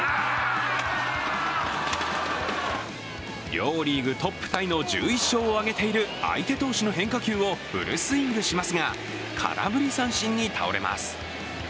両リーグトップタイの１１勝を挙げている相手投手の変化球をフルスイングしますが、空振り三振に倒れます。